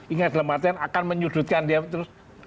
ingat dalam artian akan menyudutkan dia terus